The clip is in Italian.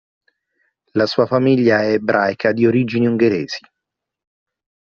La sua famiglia è ebraica di origini ungheresi.